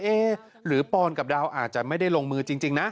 หรือปอนกับดาวอาจจะไม่ได้ลงมือจริงนะ